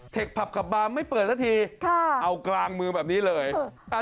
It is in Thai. เทคผับกับบาไม่เปิดสักทีเอากลางมือแบบนี้เลยค่ะ